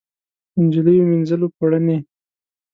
نجلۍ ومینځل پوړني